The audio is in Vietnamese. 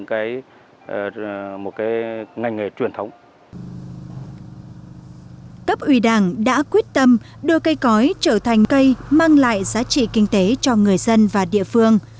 các cấp ủy đảng đã quyết tâm đưa cây cõi trở thành cây mang lại giá trị kinh tế cho người dân và địa phương